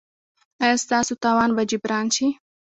ایا ستاسو تاوان به جبران شي؟